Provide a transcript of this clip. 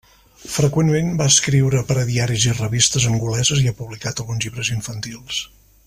Freqüentment va escriure per a diaris i revistes angoleses i ha publicat alguns llibres infantils.